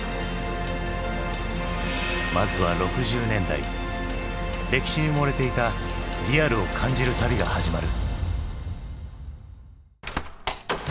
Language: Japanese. まずは６０年代歴史に埋もれていたリアルを感じる旅が始まる。